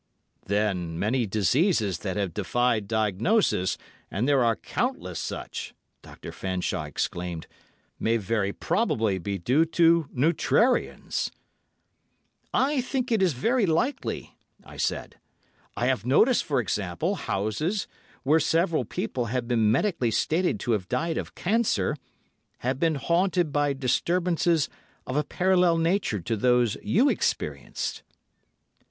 "Then many diseases that have defied diagnosis, and there are countless such," Dr. Fanshawe exclaimed, "may very probably be due to neutrarians." "I think it is very likely," I said. "I have noticed, for example, houses, where several people have been medically stated to have died of cancer, have been haunted by disturbances of a parallel nature to those you experienced."